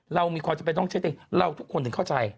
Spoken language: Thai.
เรามีความจำเป็นต้องเช็คเองเราทุกคนถึงเข้าใจ